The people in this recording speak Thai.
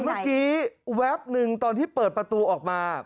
เมื่อกี้แวบหนึ่งตอนที่เปิดประตูออกมา